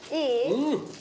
うん！